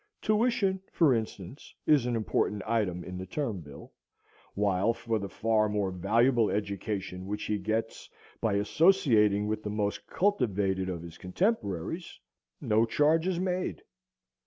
Tuition, for instance, is an important item in the term bill, while for the far more valuable education which he gets by associating with the most cultivated of his contemporaries no charge is made.